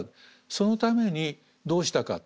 そのためにどうしたか。